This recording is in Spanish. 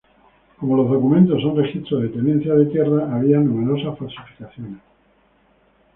Como los documentos son registros de tenencia de tierra, había numerosas falsificaciones.